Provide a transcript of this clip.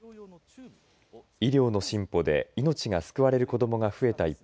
医療の進歩で命が救われる子どもが増えた